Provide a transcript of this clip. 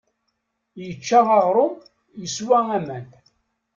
Yečča aɣrum, yeswa aman.